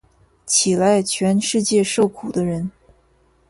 起来，全世界受苦的人！